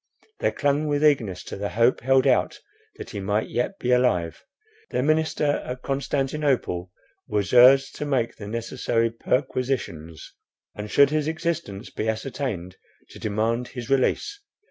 They clung with eagerness to the hope held out that he might yet be alive. Their minister at Constantinople was urged to make the necessary perquisitions, and should his existence be ascertained, to demand his release.